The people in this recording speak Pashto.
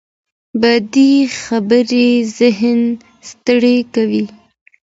بدې خبرې ذهن ستړي کوي